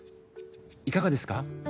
いかがですか？